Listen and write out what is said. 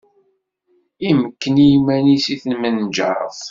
Imekken iman-is i tmenjeṛt.